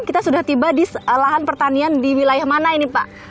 kita sudah tiba di lahan pertanian di wilayah mana ini pak